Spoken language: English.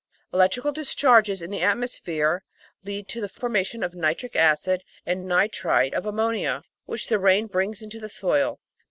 Electrical discharges in the atmosphere lead to the for mation of nitric acid and nitrite of ammonia, which the rain brings into the soil.